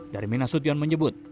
darmin nasution menyebut